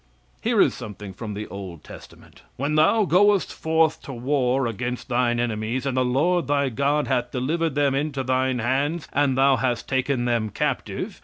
Here is something from the old testament: "When thou goest forth to war against thine enemies, and the Lord thy God hath delivered them into thine hands, and thou has taken them captive.